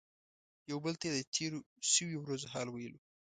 یو بل ته یې د تیرو شویو ورځو حال ویلو.